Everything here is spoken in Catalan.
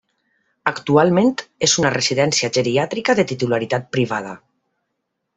Actualment és una residència geriàtrica de titularitat privada.